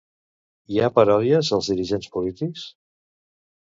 Hi ha paròdies als dirigents polítics?